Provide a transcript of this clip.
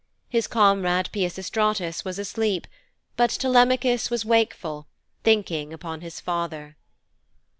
His comrade, Peisistratus was asleep, but Telemachus was wakeful, thinking upon his father.